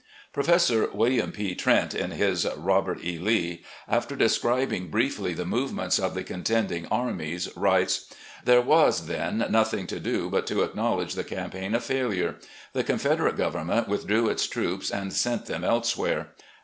Professor William P. Trent, in his "Robert E. Lee," after describing briefly the movements of the contending armies, writes: "There was, then, nothing to do but to acknowledge the campaign a failtire. The Confederate Government withdrew its troops and sent them elsewhere.